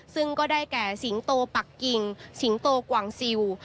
ซึ่งก็ได้แก่สิงโตปักกิ่งสิงโตกว่างซิล